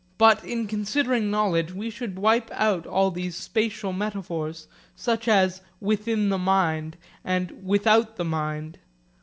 But in considering knowledge we should wipe out all these spatial metaphors, such as 'within the mind' and 'without the mind.'